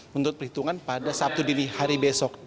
menurut perhitungan pada sabtu dini hari besok